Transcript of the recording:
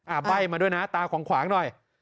อ่าใบ้มาด้วยนะตาขวางหน่อย